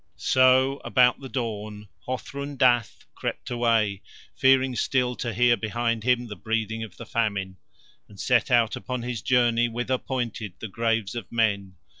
So about the dawn, Hothrun Dath crept away, fearing still to hear behind him the breathing of the Famine, and set out upon his journey whither pointed the graves of men.